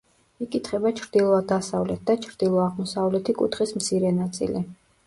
იკითხება ჩრდილო-დასავლეთ და ჩრდილო-აღმოსავლეთი კუთხის მცირე ნაწილი.